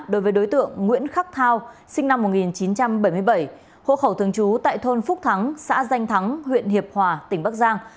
đối với đối tượng nguyễn khắc thao sinh năm một nghìn chín trăm bảy mươi bảy hộ khẩu thường trú tại thôn phúc thắng xã danh thắng huyện hiệp hòa tỉnh bắc giang